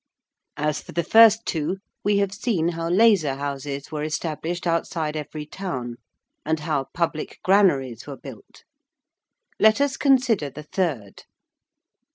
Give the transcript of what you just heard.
_)] As for the first two, we have seen how lazar houses were established outside every town, and how public granaries were built. Let us consider the third.